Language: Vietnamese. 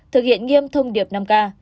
thực hiện nghiêm thông điệp năm k